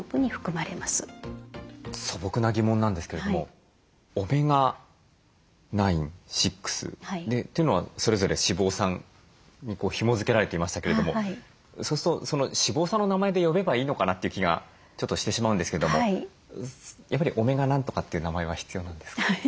素朴な疑問なんですけれどもオメガ９６というのはそれぞれ脂肪酸にひもづけられていましたけれどもそうすると脂肪酸の名前で呼べばいいのかなという気がちょっとしてしまうんですけどもやっぱりオメガなんとかっていう名前は必要なんですか？